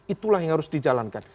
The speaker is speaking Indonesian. itulah yang harus dijalankan